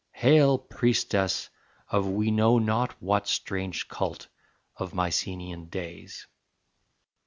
Hail priestess of we know not what Strange cult of Mycenean days!